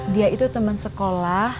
dia itu temen sekolah